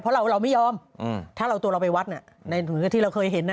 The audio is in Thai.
เพราะเราไม่ยอมถ้าเราตัวเราไปวัดเหมือนกับที่เราเคยเห็นนะ